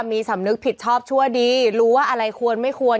มีสำนึกผิดชอบชั่วดีรู้ว่าอะไรควรไม่ควร